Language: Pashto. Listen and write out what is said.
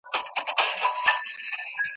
ملا ستړی کټ ته راغلی و.